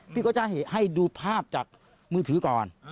พี่ก็จะให้ดูภาพจากมือถือก่อน